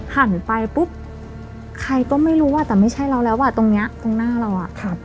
หันไปปุ๊บใครก็ไม่รู้อ่ะแต่ไม่ใช่เราแล้วอ่ะตรงเนี้ยตรงหน้าเราอ่ะครับ